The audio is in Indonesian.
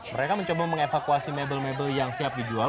mereka mencoba mengevakuasi mebel mebel yang siap dijual